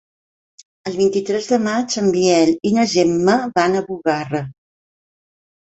El vint-i-tres de maig en Biel i na Gemma van a Bugarra.